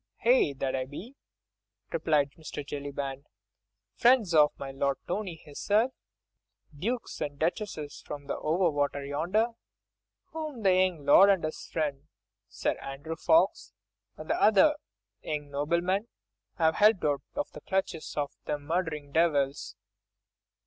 "Aye! that I be," replied Jellyband, "friends of my Lord Tony hisself. Dukes and duchesses from over the water yonder, whom the young lord and his friend, Sir Andrew Ffoulkes, and other young noblemen have helped out of the clutches of them murderin' devils."